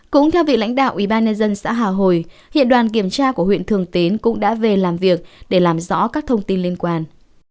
cũng theo vị lãnh đạo ủy ban nhân dân xã hà hồi hiện đoàn kiểm tra của huyện thường tín cũng đã về làm việc để làm rõ các thông tin liên quan